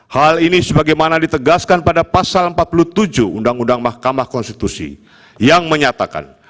hal ini sebagaimana ditegaskan pada pasal empat puluh tujuh uu mk yang menyatakan